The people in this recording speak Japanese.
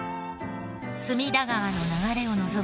隅田川の流れを望む